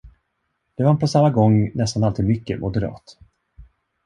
Den var på samma gång nästan alltid mycket moderat.